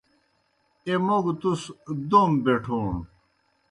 ایہ موْ گہ تُس دوم بیٹھون۔